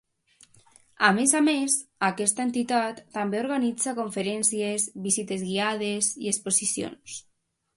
A més a més, aquesta entitat també organitza conferències, visites guiades i exposicions.